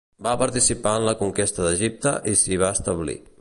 Va participar en la conquesta d'Egipte i s'hi va establir.